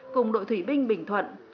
cùng đội thủy binh bình thuận